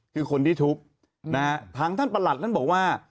คือคนที่ทุบนะฮะทางท่านประหลัดท่านบอกว่า